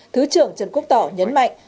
thứ trưởng trần quốc tỏ nhấn mạnh